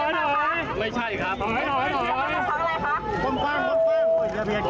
ที่นี้ฉันต้องกับนะครับ